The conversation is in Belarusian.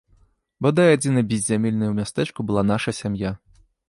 Бадай адзінай беззямельнай у мястэчку была наша сям'я.